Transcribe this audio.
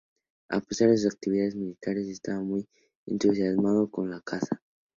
A pesar de sus actividades militares, estaba muy entusiasmado con la caza.